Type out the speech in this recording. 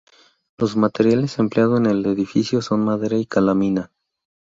Los materiales empleado en el edificio son madera y calamina.